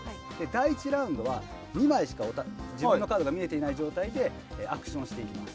第１ラウンドは２枚しか自分のカードが見えていない状態でアクションをしていきます。